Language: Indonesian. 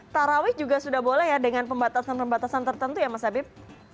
tarawih juga sudah boleh ya dengan pembatasan pembatasan tertentu ya mas habib